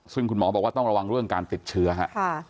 ซึ่งคุณหมอบอกว่าต้องระวังเรื่องการติดเชื้อครับ